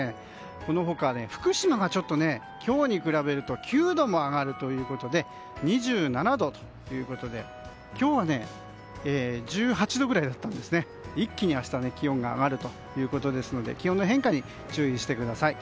この他、福島が今日に比べると９度も上がって２７度ということで今日は１８度ぐらいだったんですが一気に明日は気温が上がるということで気温の変化に注意してください。